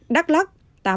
đắk lắc tám mươi